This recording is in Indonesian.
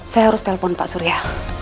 saya harus telpon pak surya